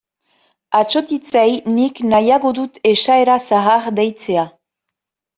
Atsotitzei nik nahiago dut esaera zahar deitzea.